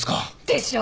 でしょ？